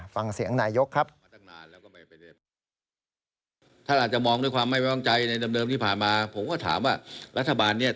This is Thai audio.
ฟังเสียงนายกครับ